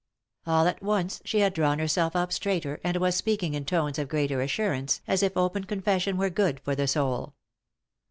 All at once she had drawn herself up straighter, and was speaking in tones of greater assurance, as if open confession were good for the soul.